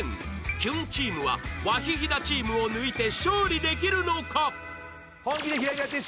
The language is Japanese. キュンチームはワヒヒダチームを抜いて勝利できるのか？